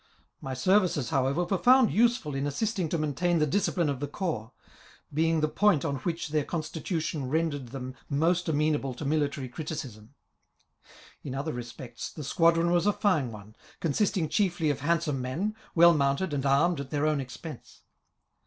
My services, however, were found useful in assisting to maintain the discipline of the corps, being the point on which their constitution rendered them Digitized by VjOOQIC 6 INTRODUCTION TO THE most amenable to military criticism. In other respects, the squadron was a fine one, consisting chiefly of hand some men, well ioiounted and armed at their own ex pense.